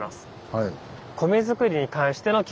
はい。